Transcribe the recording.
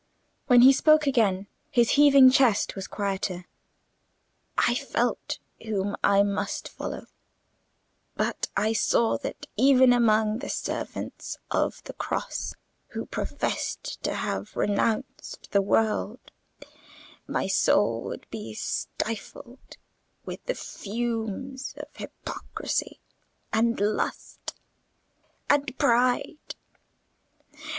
When he spoke again his heaving chest was quieter. "I felt whom I must follow: but I saw that even among the servants of the Cross who professed to have renounced the world, my soul would be stifled with the fumes of hypocrisy, and lust, and pride.